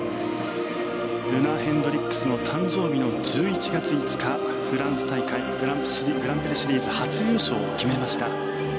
ルナ・ヘンドリックスの誕生日の１１月２日フランス大会グランプリシリーズ初優勝を決めました。